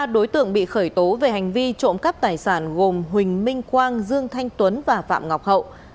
ba đối tượng bị khởi tố về hành vi trộm cắp tài sản gồm huỳnh minh quang dương thanh tuấn và phạm ngọc hậu